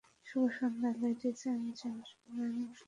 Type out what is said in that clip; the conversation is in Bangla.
শুভ সন্ধ্যা, লেডিস এন্ড জেন্টলমেন, ফিল্মফেয়ার পুরষ্কারে আপনাদের স্বাগতম।